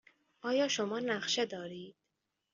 آیا شما نقشه دارید؟